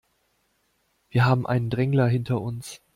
Wir haben einen Drängler hinter uns.